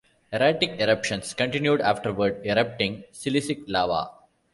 Erratic eruptions continued afterward, erupting silicic lava.